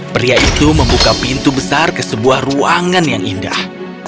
pria itu membuka pintu besar ke sebuah ruangan yang indah